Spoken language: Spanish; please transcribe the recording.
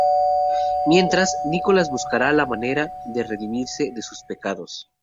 Mientras, Nicholas buscará la manera de redimirse de sus pecados.